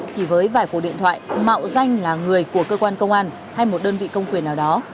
chỉ với vài cuộc điện thoại mạo danh là người của cơ quan công an hay một đơn vị công quyền nào đó